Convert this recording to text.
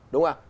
đúng không ạ